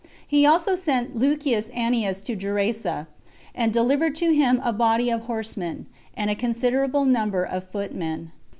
He also sent Lucius Annius to Gerasa, and delivered to him a body of horsemen, and a considerable number of footmen.